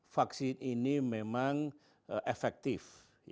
vaksin ini memang efektif